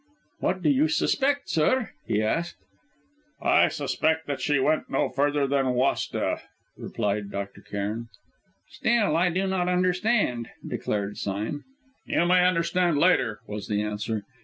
"What do you suspect, sir?" he said. "I suspect that she went no further than Wasta," replied Dr. Cairn. "Still I do not understand," declared Sime. "You may understand later," was the answer.